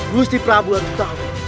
gusti prabu harus tahu